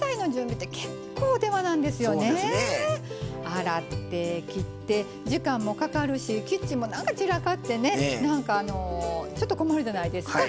洗って切って時間もかかるしキッチンもなんか散らかってねなんかあのちょっと困るじゃないですか。